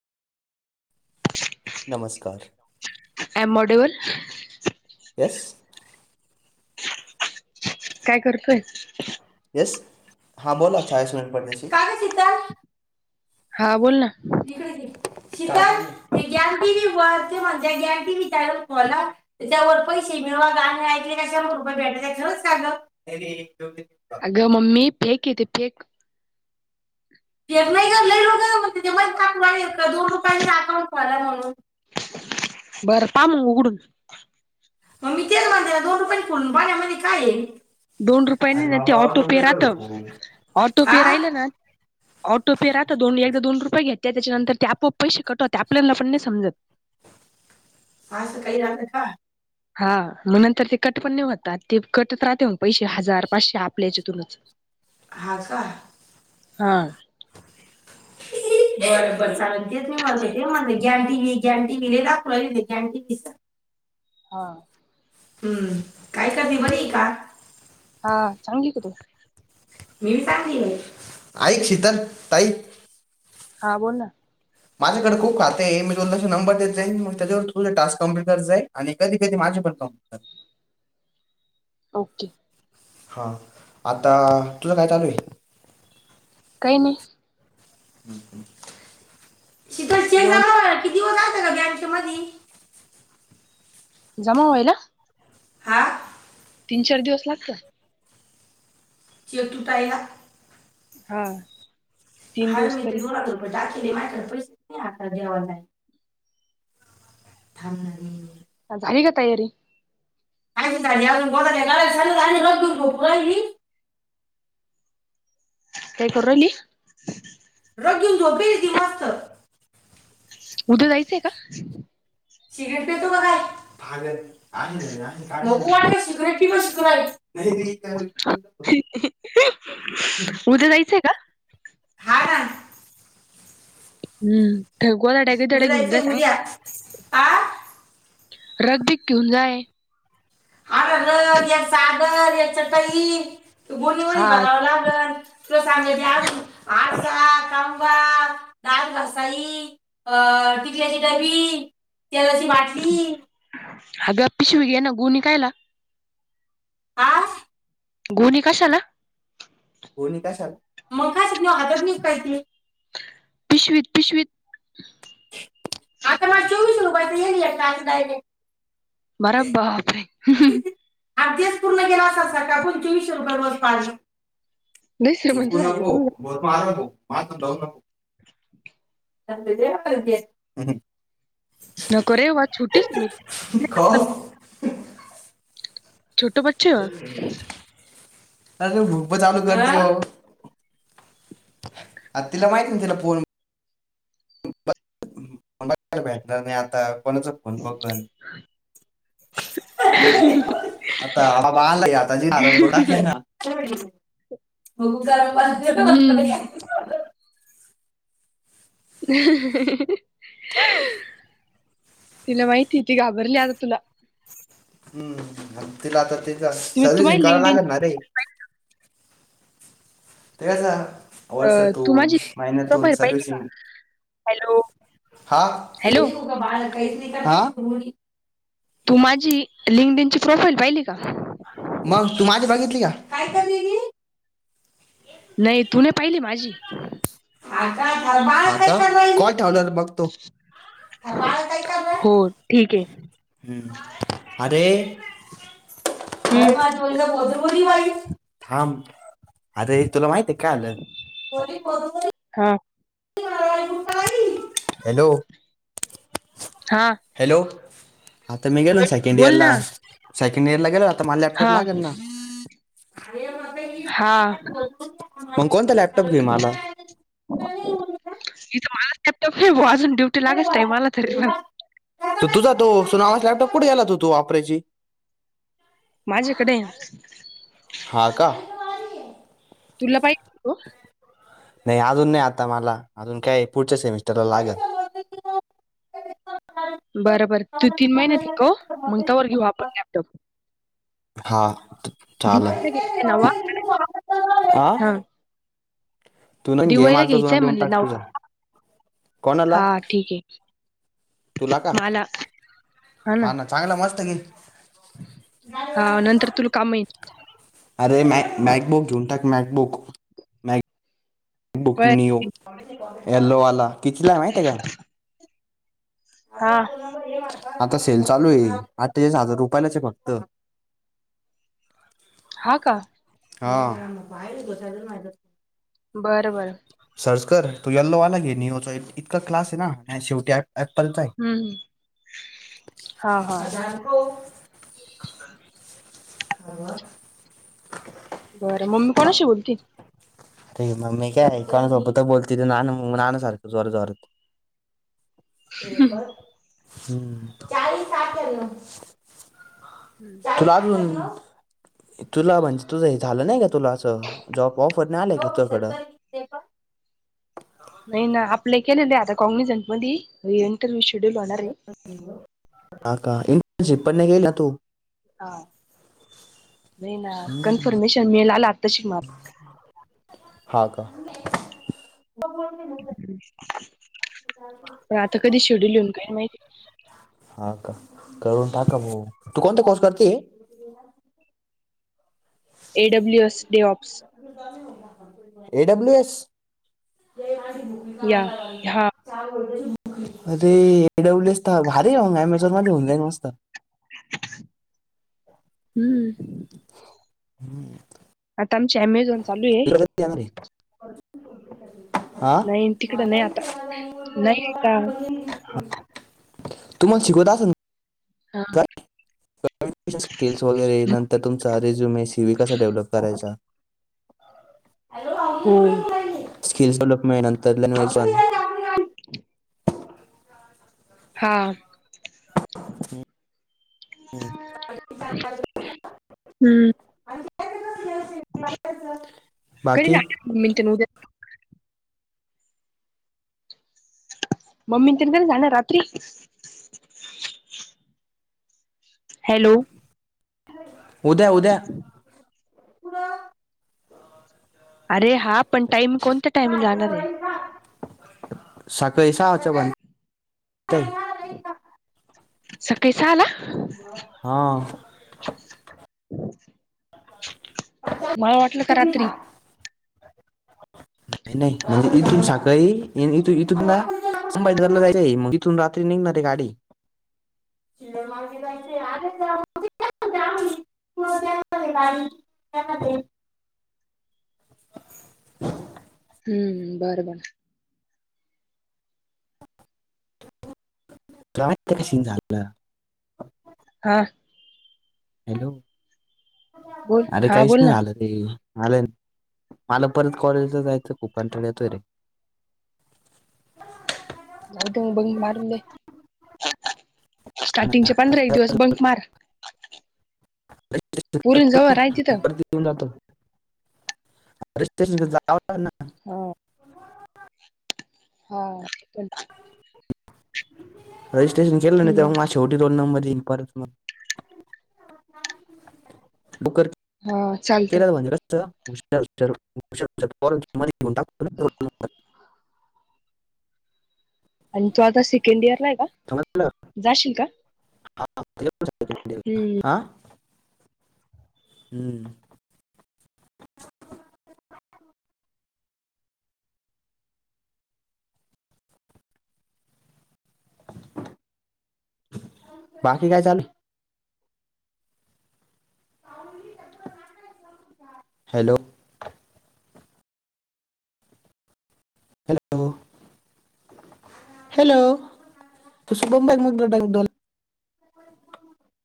नमस्कार. एॲमोडेवल. येस. काय करतोय. येस हा बोला चाळीस मिनट पडलेत. हा बोल ना. [unintelligible] [inaudible] कव्हा गाण ऐकले कशा मग रुपे भेटय खरंच सांगलं अरे. अगं मम्मी फेक येते फेक. घेत नाही का ललो का मग त्या माक दोन रुपयां अकाउंट मलाय म्हणून. बरं पा मग उघडून. मग मी तेला माणते ना दोन रुपयां फुून पाण्यामध्ये काय आहे दोन रुपये नाही अरे ना ते ऑटोपे राहत बाबा ऑटो पे आ राहिलं ना. ऑटोपे राहत दोन एकदा दोन रुपये घेते त्याच्यानंतर ते आपोप. पैसे कटवते आपल्याला पण नाही समजत. असं काही राहतं का हा मग नंतर ते कट पण नई होतात ते कट राहते मग. पैसे हजार पाचशे आपल्याच्यातूनच. हा का. [unintelligible] बर बर चागल तेच मी म्हणते ते म्हणते गॅन टी व्ही गॅनटी व्ही दाखव गॅनटी व्ही. हा. हम्म. काय [unintelligible] बरीईका? हा. चांगली का तू? मी. चांगलीए. हा बोल ना. माझ्याकडे खूप खाते आहे मी नंबर देत मग त्याच्यावर थोड टास्क कं्प्युटर जा आहे आणि कधी कधी माझ. [unintelligible] ओके. हा. आता तुला काय चालूए. काही नाही. शीतल चेक जेवण झालं [unintelligible] गॅग च्या मधी - - जमा होईला. हा. तीन चार दिवस लागत. [unintelligible] हा. तीन ह दिवस मी तरी ते दोन लाख रुपये टाकले मा्र पैसे हातात घ्यावा काय. थांबणारे. अ झाली काय तयारी? आ अजून ब कराय झाचाल आणि र. काय करु राहीली? रगून झोपेच दि मस्थ. उद्या जायचंय का? [unintelligible] पीतो का काय? नको अरे [unintelligible] पीतोस काय. नाही [unintelligible] उद्या जायचंय का? हा ना हम् ठकवालाड्या काही त उद्या घेऊन जाय जायचंय सांग. उद्या हा रगबी घिऊन जाय. अर र या सागर याच्या तई. तू बोलीवणी हा बघव लागल तुला सांगते अजुन आसा का - - [unintelligible] दाल घसाई, अ टिकल्याची डबी. तेलाची बाटली. आग पिशवी घे ना गोणी कायला? आ? गोणी कशाला? गोणी कशाला? मग काय हातात निऊ काय ते? पिशवीत-पिशवीत. आता मला चोवीस रूपायच. [unintelligible] मरा ब्बाप रे! [unintelligible] लय श्रीमंत थुंकु झालाय नको तुम्ही मोठा आहे ना तु! माझ जाव नको. [unintelligible] नको रे वा छोटीच मी छोट [unintelligible] अरे तो भूप चालू कर जो अत तीला माहिती तीला फोन [unintelligible] नाही आता कोणाचा फोन बघल [unintelligible] [unintelligible] आता हा बघ आता की तीन हजार [unintelligible] हम्म हो [unintelligible] हं तिला माहिती ती घाबरली आ तुला हम्म तिला तर तिचं तुम्ही तू सर्विसिंग माझी काढून लिंकडिन आणलं ना रे? ते कसं तू वर्षातून माझी महिन्यातून प्रोफाईल पाहिली का सर्विसिंग हॅलो हा [unintelligible] हॅलो आ तू माझी लिंकडीन ची प्रोफाईल पाहिली का? मग तू माझी बघितली का? नाही तु ने पाहिली माझी. [unintelligible] आता काय? चालल बघतो हो ठीक [unintelligible] आहे हम्म अरे [unintelligible] हम्म [unintelligible] थांब आता हे तुला माहित क्हायल? हा हा हॅलो-हॅलो आता मी गेलो ना सेकंड इयर बोल ला ना सेकंड इयर ला गेलो आता मला लॅपटॉप हा लागेल ना. हा मग कोणता लॅपटॉप घेऊन आला? [unintelligible] टाईम आला तरी पण तुझा तो सु नावास लॅपटॉप? कुढे गेला होत तु वापरायाची? माझ्याकडे. हा का? तुला पाहिे तो नाही अजून नाही आता मला अजून काय पुढच्या सेमिस्टरला लागंल. बरं-बर तू तीन महिन्या तिकव मग तोवर घेऊ आपण लॅपटॉप. हा चाल आ दिवाळीला घ्यायचंय नवा हा दिवाळीला घ्यायचंय देऊन म्हणलं टाक नाऊक, तुझा. कोणाला? हा ठीक आहे. तुला का? मला हा ना चांगला मस्त घे. हा नंतर तुला कामाईन. अरे मॅक मॅकबुक घेऊन टाक मॅकबुक बुक नीओ, बरं. यल्लोवाला, कितीला माहीते का? आपण हा कोणा हे वा आता सेल चालू आहे अठ्ठेचाळीस हजार रुपयालाचे फक्त हा का ग बाहेर गोसाय मा बरं बरं सर्च कर तू यल्लो आला घे निओचा इतका क्लास आहे ना शेवटी ॲप एप्पल चा हम्म हा हा [unintelligible] ह बरं मम्मी कोणाशी बोलती अरे मम्मी कायण सोबत बोलतेथ नान नाना सारखं जोर जोरत [inaudible] हं. तुला अजून [unintelligible] तुला म्हणजे तुझ हे झालं नाही का तुला असं जॉब ऑफर नाही आलंय का तुझकडं नाही ना आपला केलं नाही आता कॉगिजट म इंटरव्ह्यू शेड्यूल होणार आहे काका इंटनशिप पणणे घेईल ना तू हा नाही ना कन्फर्मेशन मिल आला तशी म हा का पण आता कधी शोडू घेऊन काय माहिती हा करून टाका म तू कोणता कोर्स करते AWS DevOps AWS या हा [unintelligible] अरेब्ल एस तर भारी रंग अमेझोन माध्ये होे नसत हम्म हम्म आता आमची अमेझॉन चालू आहे येणार आहे? हा नाही तिकड मा नाही आता नाही आता तुम्हाला शिकत हा का कम्युनिकेशन स्किल्स वगैरे नंतर तुमचा रेझ्युम हे सीव् कसा डेव्हलप करायचा ह हो स्किल्स डेवलपमेंट नंतर ल हा हम् हम्म हम् [unintelligible] बाकी [inaudible] मम्मी तिनकरी जाणार रात्री हॅलो उद्या उद्या्या अरे हा पण टाईम कोणत्या टाईमंग लाणार आहे सकाळी स आच्या बंद सकाळी सहाला हा मला वाटलं का नाही रात्री [unintelligible] नाही म्हणजे इथून साखळी इथूनला जायचं आहेग इथून रात्री निघणार हे गाडी [inaudible] मा. [inaudible] [inaudible] [unintelligible] [inaudible] हम्म बरं, बरं. काय कशी झालं. हा. हॅलो बोल अरे हा काहीच बोल नाही ना झालं ते. झाले मला परत कॉलेजला जायचं खूप कंटाळा येतोय रे! बघ मारुंदे स्टार्टिंगचे पंधरा एक दिवस बंक मार. पुरीन जवळ आहे ो तिथं प्रतीऊन जातो [inaudible] स्टेशन जा [inaudible] हो. हा. रजिस्ट्रेशन केलं आणि ते्हा हम्म माझ वरती रोल नंबर. येईल परत मंग. बकर हा चालत केल्या तर म्हणजे कस [inaudible] गुंडा [inaudible] आणि तो आता सेकंड इयर ला आहे. समजलं जाशील का? हा, एवढंच आहे हम्म. हा हम्म. बाकी काय चालू. हॅलो! हॅलो! हॅलो? तू शुभम बाई मुग [inaudible]